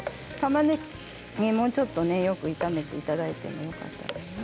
たまねぎをもうちょっとよく炒めていただいて。